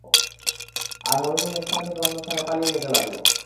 আর Hormuzan এক স্থান থেকে অন্য স্থানে পালিয়ে যেতে লাগল।